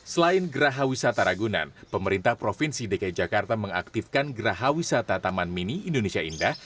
selain geraha wisata ragunan pemerintah provinsi dki jakarta mengaktifkan geraha wisata taman mini indonesia indah